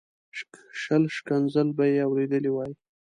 شل ښکنځل به یې اورېدلي وای.